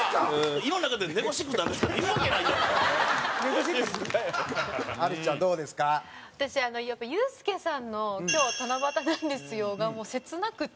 広瀬：私、ユースケさんの「今日、七夕なんですよ」が切なくて。